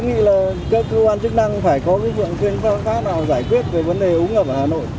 tôi nghĩ là các cơ quan chức năng phải có phương pháp nào giải quyết về vấn đề ống ngập ở hà nội